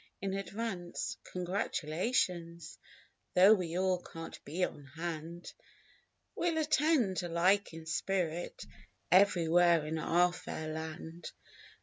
In advance: "Congratulations!" Though we all can't be on hand We'll attend alike in spirit Everywhere in our fair land.